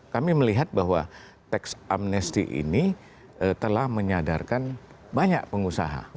kami melihat bahwa teks amnesti ini telah menyadarkan banyak pengusaha